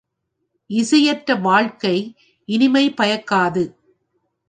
இசையற்ற வாழ்க்கை இனிமை பயக்காது.